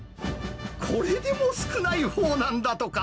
これでも少ないほうなんだとか。